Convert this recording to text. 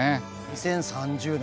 ２０３０年。